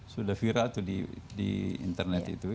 sudah viral tuh di internet itu